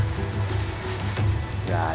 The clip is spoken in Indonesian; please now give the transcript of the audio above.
jangan lagi aja